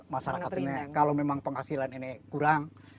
masyarakat ini kalau memang penghasilan ini kurang